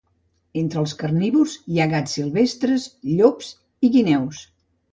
Entre els carnívors hi ha gats silvestres llops i guineus.